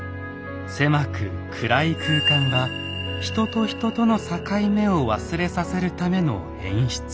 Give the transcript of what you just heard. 狭く暗い空間は人と人との境目を忘れさせるための演出。